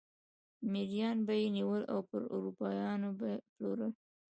مریان به یې نیول او پر اروپایانو پلورل.